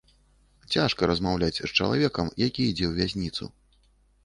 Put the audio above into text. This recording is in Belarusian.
Цяжка размаўляць з чалавекам, які ідзе ў вязніцу.